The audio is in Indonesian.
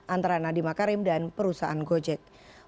antara nadiemakarim dan perusahaan gojek